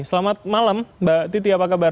selamat malam mbak titi apa kabar